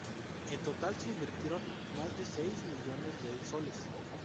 En total se invirtieron más de seis millones de soles.